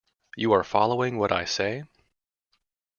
You are following what I say?